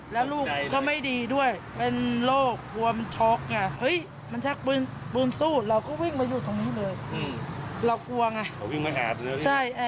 เรากลัวไงใช่แอบเขาวิ่งมาอาดด้วย